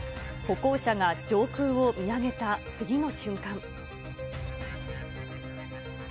歩行者が上空を見上げた次の瞬間。